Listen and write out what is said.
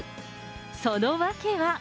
その訳は。